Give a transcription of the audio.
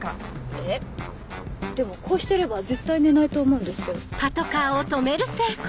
えっでもこうしてれば絶対寝ないと思うんですけど。